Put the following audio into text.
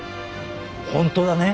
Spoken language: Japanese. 本当だね？